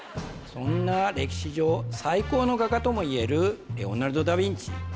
そんな歴史上最高の画家ともいえるレオナルド・ダ・ヴィンチ